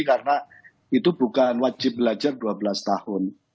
karena itu bukan wajib belajar dua belas tahun